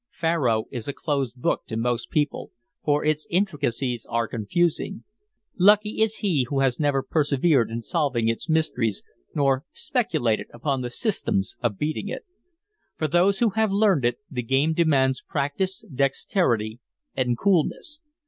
Faro is a closed book to most people, for its intricacies are confusing. Lucky is he who has never persevered in solving its mysteries nor speculated upon the "systems" of beating it. From those who have learned it, the game demands practice, dexterity, and coolness.